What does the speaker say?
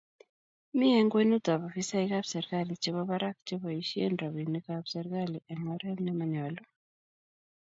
mi eng' kwenutab afisaekab serikali chebo barak cheboisien robinikab serikali eng' oret nemonyolu.